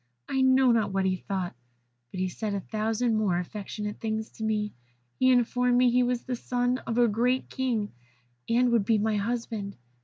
I know not what he thought, but he said a thousand more affectionate things to me. He informed me he was the son of a great king, and would be my husband.